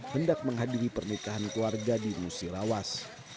hendak menghadiri pernikahan keluarga di musirawas